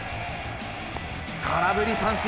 空振り三振。